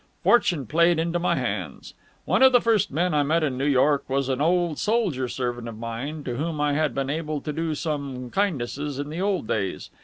Fortune played into my hands. One of the first men I met in New York was an old soldier servant of mine, to whom I had been able to do some kindnesses in the old days.